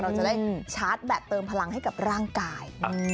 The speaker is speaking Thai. เราจะได้ชาร์จแบตเติมพลังให้กับร่างกาย